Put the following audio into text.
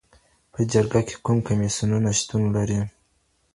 په جرګه کي کوم کمیسیونونه شتون لري؟